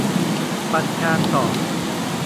ปั่นงานต่อ